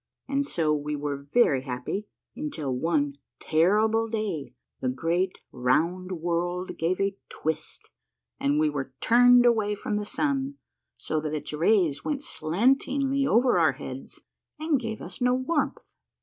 And so we were very happy, until one terrible day the great round world gave a twist and we were turned away from the sun, so that its rays went slantingly over our heads and gave us no warmth.